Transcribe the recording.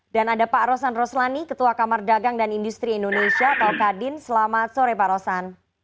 dan ada pak rosan roslani ketua kamar dagang dan industri indonesia atau kadin selamat sore pak rosan